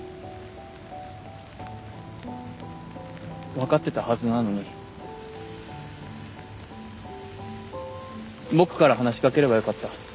分かってたはずなのに僕から話しかければよかった。